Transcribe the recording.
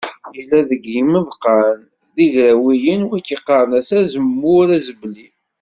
Yella deg yimeḍqan d igrawiyen, wagi qqaren-as azemmur azebli.